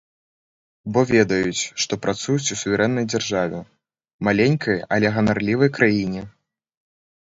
Бо ведаюць, што працуюць у суверэннай дзяржаве, маленькай але ганарлівай краіне!